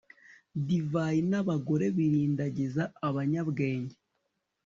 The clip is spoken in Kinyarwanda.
divayi n'abagore birindagiza abanyabwenge